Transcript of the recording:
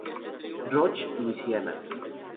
Roch, Luisiana.